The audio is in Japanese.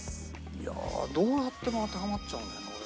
いやあどうやっても当てはまっちゃうんだよなこれ。